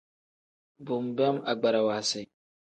Bo nbeem agbarawa si.